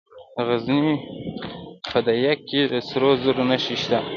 د غزني په ده یک کې د سرو زرو نښې شته.